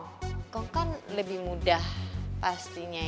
hongkong kan lebih mudah pastinya